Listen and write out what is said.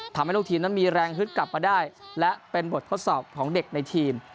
ทำให้ลูกทีมนั้นมีแรงฮึดกลับมาได้และเป็นบททดสอบของเด็กในทีม